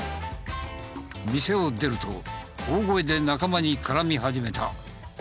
店を出ると大声で仲間に絡み始めた。